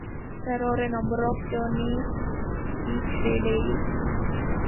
There are a number of journeys each way daily.